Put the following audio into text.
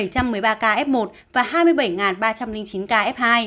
bảy trăm một mươi ba ca f một và hai mươi bảy ba trăm linh chín ca f hai